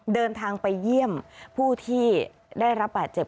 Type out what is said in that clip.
เดินทางไปเยี่ยมผู้ที่ได้รับบาดเจ็บ